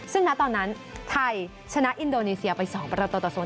ซึ่งณตอนนั้นไทยชนะอินโดนีเซียไป๒ประตูต่อ๐